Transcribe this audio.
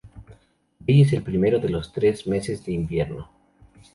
Dey es el primero de los tres meses de invierno.